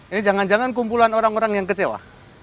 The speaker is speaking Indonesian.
ini jangan jangan kumpulan orang orang yang kecewa